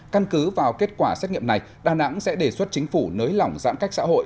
căn cứ vào kết quả xét nghiệm này đà nẵng sẽ đề xuất chính phủ nới lỏng giãn cách xã hội